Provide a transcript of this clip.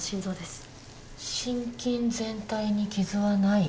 心筋全体に傷はない。